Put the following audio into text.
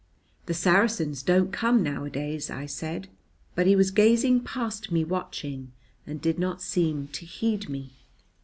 "The Saracens don't come nowadays," I said. But he was gazing past me watching, and did not seem to heed me.